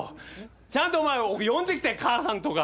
ちゃんと呼んできて母さんとか。